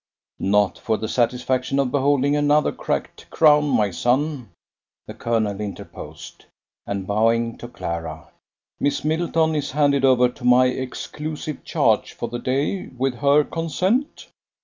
"Not for the satisfaction of beholding another cracked crown, my son," the colonel interposed: and bowing to Clara: "Miss Middleton is handed over to my exclusive charge for the day, with her consent?"